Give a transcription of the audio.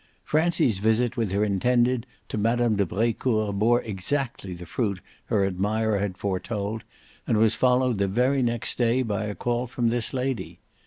Francie's visit with her intended to Mme. de Brecourt bore exactly the fruit her admirer had foretold and was followed the very next day by a call from this lady.